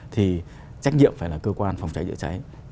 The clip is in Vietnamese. thì trách nhiệm phải là cơ quan phòng cháy chữa cháy